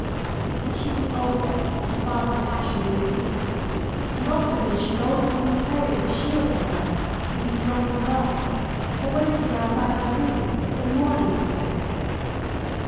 As she grew older her father's passions increased, and often did she boldly interpose to shield her mother 1 4 MRS. SHELLEY. from his drunken wrath, or waited outside her room for the morning to break.